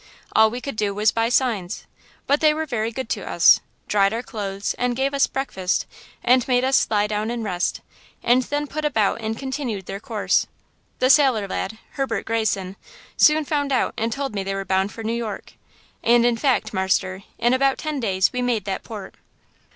All we could do was by signs. But they were very good to us–dried our clothes and gave us breakfast and made us lie down and rest, and then put about and continued their course. The sailor lad–Herbert Greyson–soon found out and told me they were bound for New York. And, in fact, marster, in about ten days we made that port.